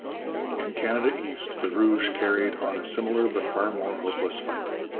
In Canada East the Rouges carried on a similar but far more hopeless fight.